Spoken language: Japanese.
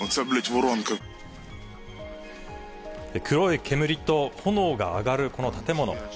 黒い煙と炎が上がるこの建物。